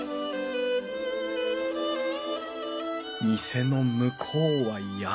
店の向こうは山。